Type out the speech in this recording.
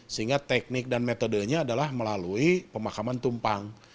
sehingga teknik dan metodenya adalah melalui pemakaman tumpang